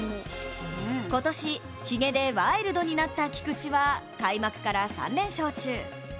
今年、ひげでワイルドになった菊池は開幕から３連勝中。